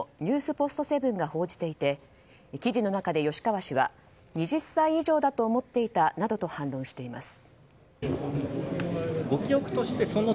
ポストセブンが報じていて記事の中で吉川氏は２０歳以上だと思っていたなどと反論しています。